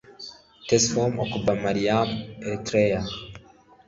Tesfom Okbamariam (Erythrea)